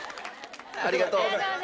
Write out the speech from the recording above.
ありがとう。